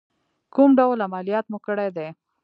کوم ډول عملیات مو کړی دی؟